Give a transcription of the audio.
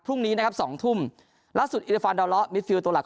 พรุ่งนี้นะครับสองทุ่มล่าสุดอิริฟานดาวเลาะมิดฟิลตัวหลัก